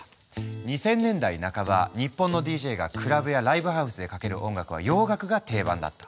２０００年代半ば日本のＤＪがクラブやライブハウスでかける音楽は洋楽が定番だった。